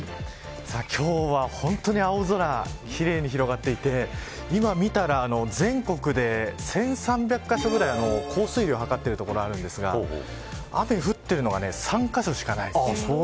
今日は、本当に青空奇麗に広がっていて今見たら全国で１３００カ所くらい降水量を測っている所があるんですが雨降ってるのが３カ所しかないです。